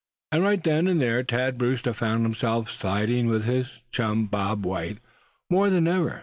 And right then and there Thad Brewster found himself siding with his chum Bob White more than ever.